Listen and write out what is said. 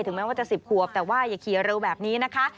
แม้ว่าจะ๑๐ขวบแต่ว่าอย่าขี่เร็วแบบนี้นะคะ